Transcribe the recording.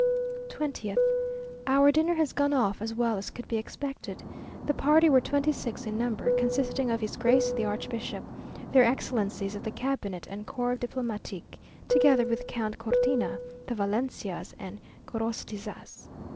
20th. Our dinner has gone off as well as could be expected. The party were twenty six in number, consisting of His Grace the Archbishop, their Excellencies of the Cabinet and Corps Diplomatique, together with Count Cortina, the Valencias, and Gorostizas.